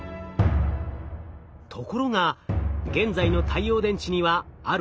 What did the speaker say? ところが現在の太陽電池にはある弱点が。